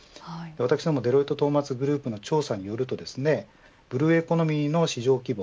デロイトトーマツグループの調査によるとブルーエコノミーの市場規模